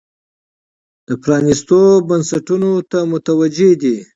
دا پرانیستو بنسټونو ته متوجې دي.